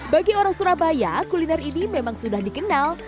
bagi orang surabaya kuliner ini memang sudah dikenal